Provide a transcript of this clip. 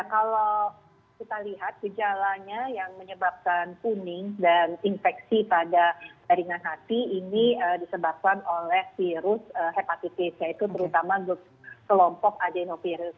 kalau kita lihat gejalanya yang menyebabkan kuning dan infeksi pada ringan hati ini disebabkan oleh virus hepatitis yaitu terutama kelompok adenovirus